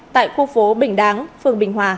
tại khu phố bình đáng phường bình hòa